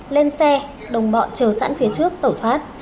lên xe đồng bọn chờ sẵn phía trước tẩu thoát